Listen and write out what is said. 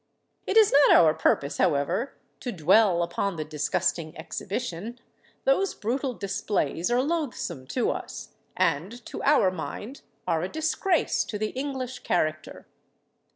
It is not our purpose, however, to dwell upon the disgusting exhibition:—those brutal displays are loathsome to us, and, to our mind, are a disgrace to the English character.